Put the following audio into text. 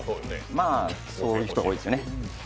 まあ、そういう人が多いですよね。